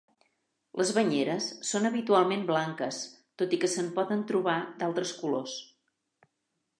Les banyeres són habitualment blanques, tot i que se'n poden trobar d'altres colors.